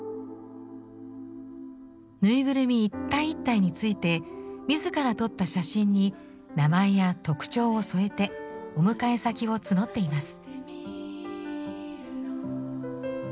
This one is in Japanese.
ぬいぐるみ一体一体について自ら撮った写真に名前や特徴を添えてお迎え先を募っています。